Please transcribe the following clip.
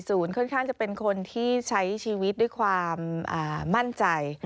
ค่อนข้างจะเป็นคนที่ใช้ชีวิตด้วยความมั่นใจ